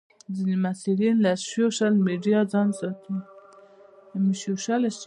ځینې محصلین له سوشیل میډیا ځان ساتي.